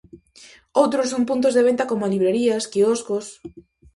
Outros son puntos de venta como librerías, quioscos...